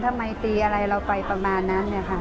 ทำไมตีอะไรเราไปประมาณนั้น